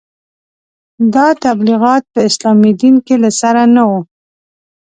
دا تبلیغات په اسلامي دین کې له سره نه وو.